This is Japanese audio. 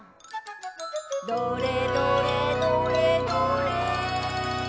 「どれどれどれどれ」